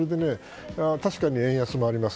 確かに円安もあります。